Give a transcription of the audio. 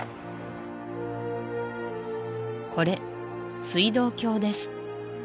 これ水道橋です